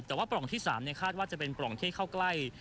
แต่ว่าปล่องที่๓คาดว่าจะเป็นปล่องที่เข้าใกล้